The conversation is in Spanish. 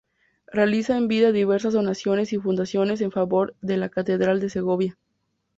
Realizó en vida diversas donaciones y fundaciones en favor de la catedral de Segovia.